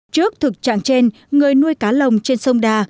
trước thực trạng trên người nuôi cá lồng trên sông đà